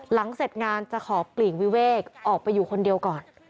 เสร็จงานจะขอปลีกวิเวกออกไปอยู่คนเดียวก่อน